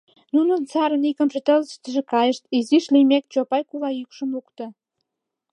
— Нуно сарын икымше тылзыштыже кайышт, — изиш лиймек, Чопай кува йӱкшым лукто.